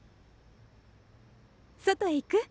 外へ行く？